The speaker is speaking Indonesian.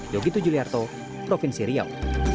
yogi tujuliarto provinsi riau